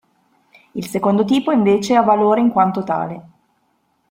Il secondo tipo invece ha valore in quanto tale.